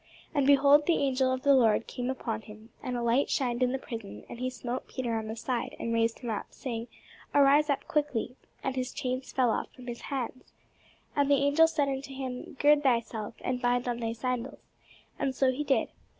And, behold, the angel of the Lord came upon him, and a light shined in the prison: and he smote Peter on the side, and raised him up, saying, Arise up quickly. And his chains fell off from his hands. And the angel said unto him, Gird thyself, and bind on thy sandals. And so he did.